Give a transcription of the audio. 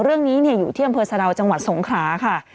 เรื่องนี้อยู่ที่อำเภอสะดาวจังหวัดสงขราค่ะ